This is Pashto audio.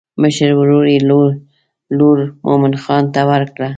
مشر ورور یې لور مومن خان ته ورکړه.